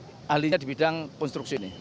ini ahlinya di bidang konstruksi ini